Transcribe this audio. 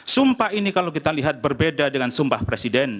sumpah ini kalau kita lihat berbeda dengan sumpah presiden